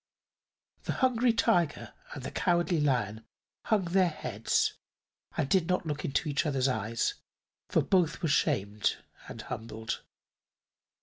The Hungry Tiger and the Cowardly Lion hung their heads and did not look into each other's eyes, for both were shamed and humbled.